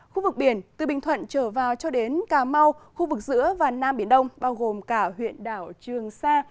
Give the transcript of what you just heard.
khu vực biển từ bình thuận trở vào cho đến cà mau khu vực giữa và nam biển đông bao gồm cả huyện đảo trường sa